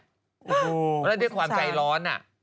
โอ้โฮคุณสุดช้านแล้วแป๊บที่ความใจร้อนอะ